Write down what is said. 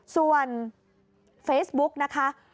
ส่วนเฟซบุ๊กนะคะ